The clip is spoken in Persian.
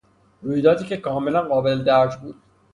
رویدادی که کاملا قابل درج بود